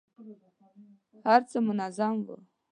هر څه منظم وو.